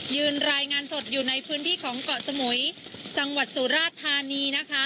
รายงานสดอยู่ในพื้นที่ของเกาะสมุยจังหวัดสุราชธานีนะคะ